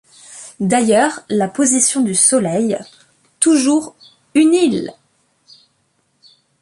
D’ailleurs, la position du soleil, toujours « Une île!